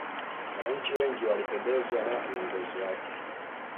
wananchi wengi walipendezwa na uongozi wake